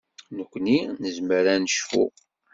Nekkni nezmer ad necfu.